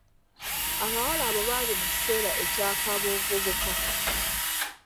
Abawala abo bali mu kiseera ekya kaabuvubuka.